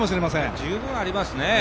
十分ありますね。